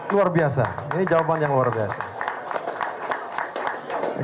luar biasa ini jawaban yang luar biasa